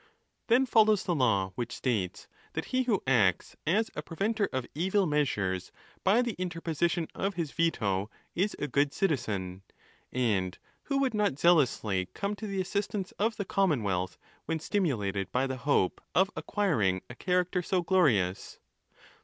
Then follows the law, which states that he who acts as a preventer of evil measures by the interposition of his veto, is a good citizen, And who would not zealously come to the assistance of the commonwealth, when stimulated by the hope of acquiring a character so glorious